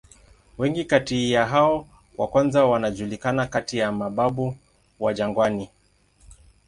Wengi kati ya hao wa kwanza wanajulikana kati ya "mababu wa jangwani".